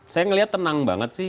saya ngeliat tenang banget sih